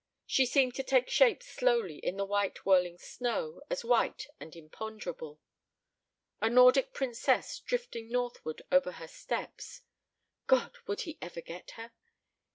. She seemed to take shape slowly in the white whirling snow, as white and imponderable. ... A Nordic princess drifting northward over her steppes. ... God! Would he ever get her?